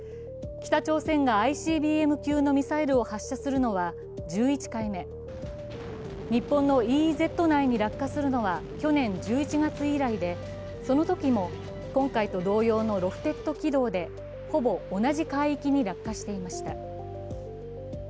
北朝鮮がＩＣＢＭ級のミサイルを発射するのは１１回目、日本のＥＥＺ内に落下するのは去年１１月以来でそのときも今回と同様のロフテッド軌道でほぼ同じ海域に落下していました。